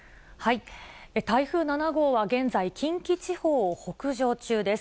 台風７号は現在、近畿地方を北上中です。